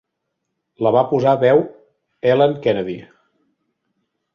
La va posar veu Ellen Kennedy.